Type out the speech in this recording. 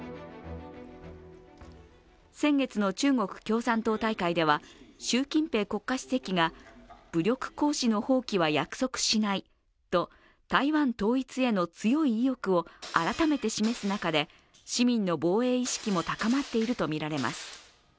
先月の中国共産党大会では習近平国家主席が武力行使の放棄は約束しないと台湾統一への強い意欲を改めて示す中で市民の防衛意識も高まっているとみられます。